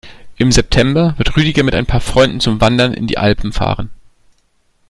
Im September wird Rüdiger mit ein paar Freunden zum Wandern in die Alpen fahren.